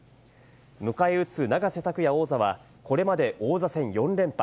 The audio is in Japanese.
迎え撃つ永瀬拓矢王座はこれまで王座戦４連覇。